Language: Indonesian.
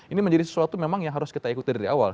itu menjadi sesuatu yang memang harus kita ikuti dari awal